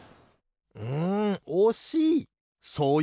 うんおしい！